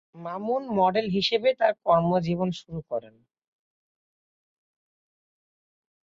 Mamun model হিসেবে তার কর্ম জীবন শুরু করেন।